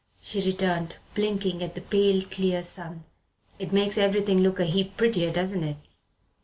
she returned, blinking at the pale clear sun. "It makes everything look a heap prettier, doesn't it?